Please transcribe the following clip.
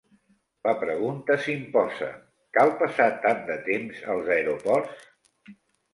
La pregunta s'imposa: cal passar tant de temps als aeroports?